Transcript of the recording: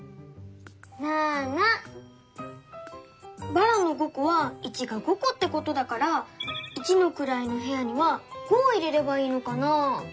ばらの５こは「１」が５こってことだから一のくらいのへやには５を入れればいいのかな？